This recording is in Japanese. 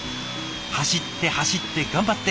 走って走って頑張って！